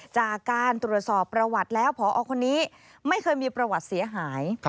จากการตรวจสอบประวัติแล้วพอคนนี้ไม่เคยมีประวัติเสียหาย